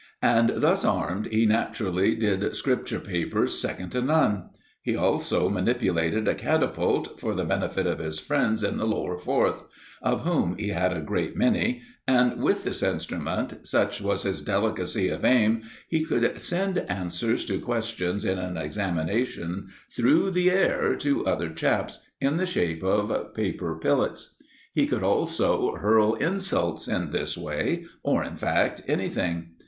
And, thus armed, he naturally did Scripture papers second to none. He also manipulated a catapult for the benefit of his friends in the Lower Fourth, of whom he had a great many, and with this instrument, such was his delicacy of aim, he could send answers to questions in an examination through the air to other chaps, in the shape of paper pillets. He could also hurl insults in this way, or, in fact, anything.